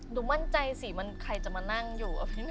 หนูมั่นใจสิมันใครจะมานั่งอยู่อะพี่